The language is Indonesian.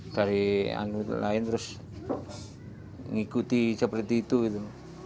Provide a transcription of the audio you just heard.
dari anu itu lain terus ngikuti seperti itu gitu